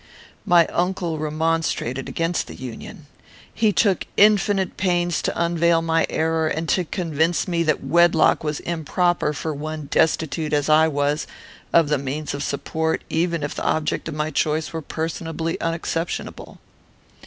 My uncle remonstrated against the union. He took infinite pains to unveil my error, and to convince me that wedlock was improper for one destitute, as I was, of the means of support, even if the object of my choice were personally unexceptionable.